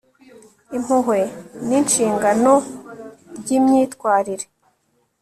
impuhwe ni ishingiro ry'imyitwarire